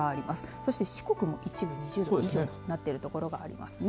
そして四国も一部、２０度以上となっている所がありますね。